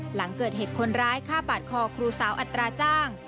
หลังเกิดเหตุคนร้ายฆ่าปาดคอครูสาวอัตราจ้าง